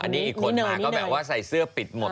อันนี้อีกคนมาก็แบบว่าใส่เสื้อปิดหมด